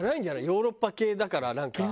ヨーロッパ系だからなんか。